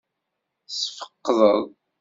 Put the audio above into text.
Tseffqeḍ.